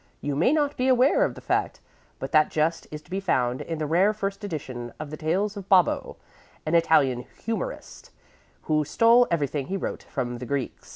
You may not be aware of the fact, but that jest is to be found in the rare first edition of the Tales of Bobbo, an Italian humorist, who stole everything he wrote from the Greeks."